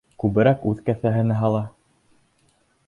Күберәк үҙ кеҫәһенә һала.